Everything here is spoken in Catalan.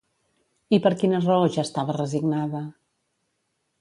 I per quina raó ja estava resignada?